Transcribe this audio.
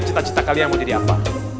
cita cita kalian mau jadi apa